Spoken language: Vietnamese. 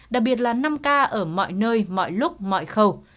đặc biệt là năm k ở mọi nơi mọi lúc mọi khẩu